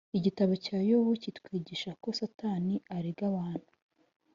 Igitabo cya Yobu kitwigisha ko Satani arega abantu